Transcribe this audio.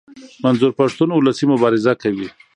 منظور پښتون اولسي مبارزه کوي.